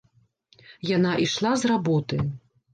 Яна ішла з работы.